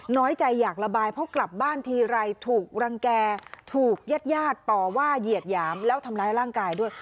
น้อยใจอยากระบายเพราะกลับบ้านทีไรถูกรังแก่ถูกญาติญาติต่อว่าเหยียดหยามแล้วทำร้ายร่างกายด้วย